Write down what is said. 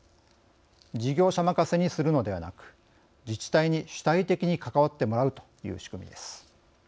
事業者任せにするのではなく自治体に主体的に関わってもらうという仕組みです。